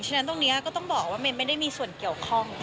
ฉะนั้นตรงนี้ก็ต้องบอกว่าเมมไม่ได้มีส่วนเกี่ยวข้อง